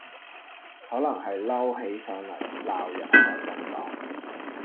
可能係嬲起上黎鬧人果陣講